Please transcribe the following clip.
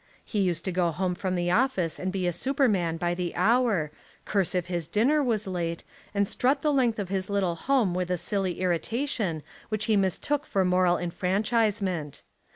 He used to go home from the office and be a Superman by the hour, curse if his dinner was late, and strut the length of his little home with a silly irritation which he mistook for moral enfran chisement.